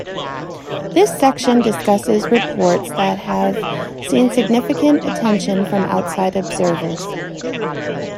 This section discusses reports that have seen significant attention from outside observers.